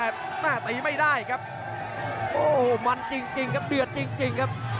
โอ้โหมันจริงครับเดือดจริงครับ